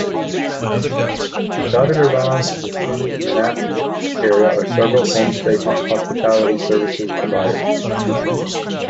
Dotted around the Seri Menanti area are several homestay hospitality services providers.